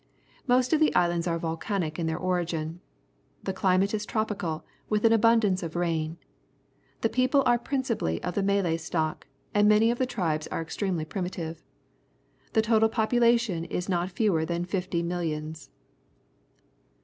Most of the islands are volcanic in their origin. The cUmate is tropical, with an abmidance of rain. The people are prin cipally of the Malay stock, and many of the tribes are extremely primitive. The total population is not fewer than fifty milhons.